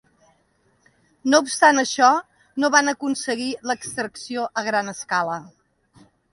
No obstant això, no van aconseguir l'extracció a gran escala.